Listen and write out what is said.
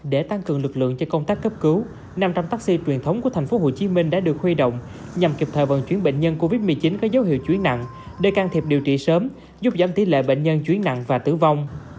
để tăng cường lực lượng cho công tác cấp cứu năm trăm linh taxi truyền thống của tp hcm đã được huy động nhằm kịp thời vận chuyển bệnh nhân covid một mươi chín có dấu hiệu chuyển nặng để can thiệp điều trị sớm giúp giảm tỷ lệ bệnh nhân chuyển nặng và tử vong